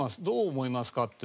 どう思いますか？